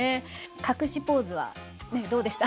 隠しポーズはどうでした？